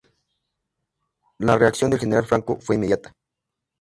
La reacción del general Franco fue inmediata.